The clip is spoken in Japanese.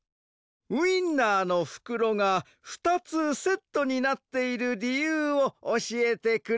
ウインナーのふくろが２つセットになっているりゆうをおしえてくれ。